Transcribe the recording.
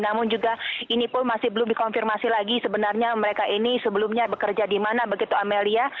namun juga ini pun masih belum dikonfirmasi lagi sebenarnya mereka ini sebelumnya bekerja di mana begitu amelia